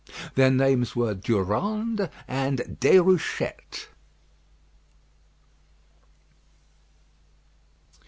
Their names were Durande and Déruchette.